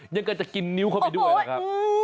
ยังก็จะกินนิ้วเข้าไปด้วยนะครับ